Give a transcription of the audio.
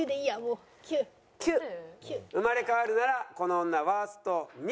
生まれ変わるならこの女ワースト２位。